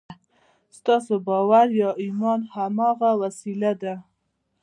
ستاسې باور يا ايمان هماغه وسيله ده.